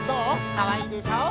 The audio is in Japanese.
かわいいでしょ？